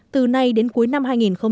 từ nay đến cuối năm hai nghìn một mươi chín